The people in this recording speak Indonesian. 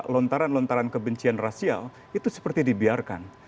lontaran lontaran kebencian rasial itu seperti dibiarkan